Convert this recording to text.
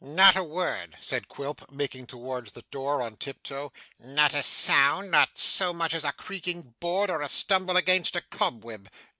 'Not a word,' said Quilp, making towards the door on tiptoe. 'Not a sound, not so much as a creaking board, or a stumble against a cobweb.